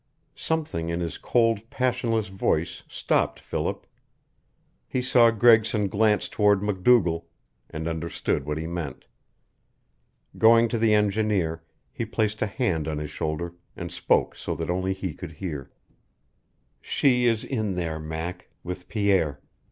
Something in his cold, passionless voice stopped Philip. He saw Gregson glance toward MacDougall, and understood what he meant. Going to the engineer, he placed a hand on his shoulder, and spoke so that only he could hear. "She is in there, Mac with Pierre.